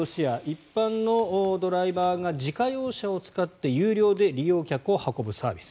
一般のドライバーが自家用車を使って有料で利用客を運ぶサービス。